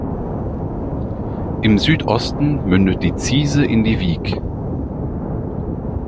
Im Südosten mündet die Ziese in die Wiek.